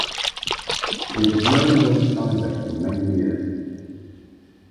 He had known John Steinbeck for many years.